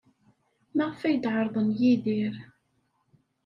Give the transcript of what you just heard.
Maɣef ay d-ɛerḍen Yidir?